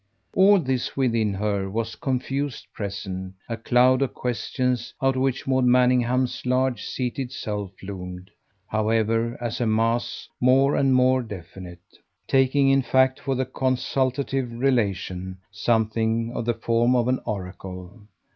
All this within her was confusedly present a cloud of questions out of which Maud Manningham's large seated self loomed, however, as a mass more and more definite, taking in fact for the consultative relation something of the form of an oracle.